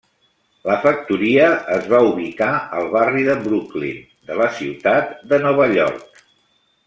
La factoria es va ubicar al barri de Brooklyn de la ciutat de Nova York.